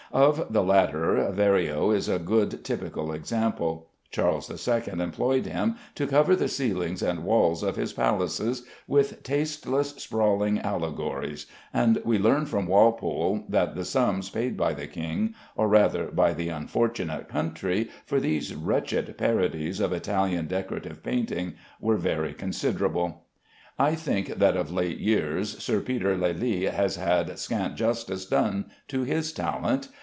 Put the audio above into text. Of the latter, Verrio is a good typical example. Charles II employed him to cover the ceilings and walls of his palaces with tasteless sprawling allegories, and we learn from Walpole that the sums paid by the king, or rather by the unfortunate country, for these wretched parodies of Italian decorative painting, were very considerable. I think that of late years Sir Peter Lely has had scant justice done to his talent.